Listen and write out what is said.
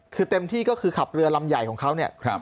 คือเต็มที่ก็คือขับเรือลำใหญ่ของเขาเนี่ย